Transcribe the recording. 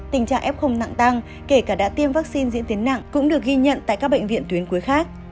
tình trạng f nặng tăng kể cả đã tiêm vaccine diễn tiến nặng cũng được ghi nhận tại các bệnh viện tuyến cuối khác